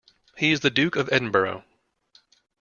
He is the Duke of Edinburgh.